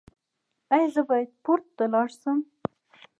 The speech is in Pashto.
ایا زه باید پورته لاړ شم؟